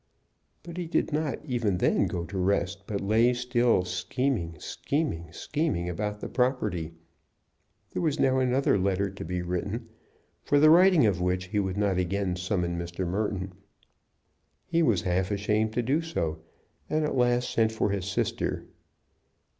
But he did not even then go to rest, but lay still scheming, scheming, scheming, about the property. There was now another letter to be written, for the writing of which he would not again summon Mr. Merton. He was half ashamed to do so, and at last sent for his sister.